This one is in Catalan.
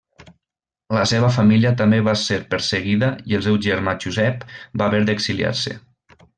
La seva família també va ser perseguida, i el seu germà Josep va haver d'exiliar-se.